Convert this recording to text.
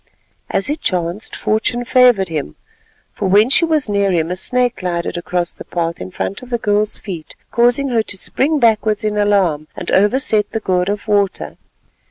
As it chanced fortune favoured him, for when she was near him a snake glided across the path in front of the girl's feet, causing her to spring backwards in alarm and overset the gourd of water.